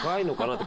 って。